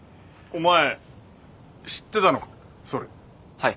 はい。